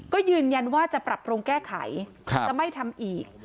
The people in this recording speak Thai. ก็ยืนยันว่าจะปรับปรุงแก้ไขจะไม่ทำอีก